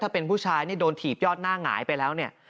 ถ้าเป็นผู้ชายนี่โดนถีบยอดหน้าหงายไปแล้วเนี่ย